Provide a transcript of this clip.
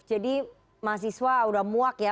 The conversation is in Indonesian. jadi mahasiswa sudah muak ya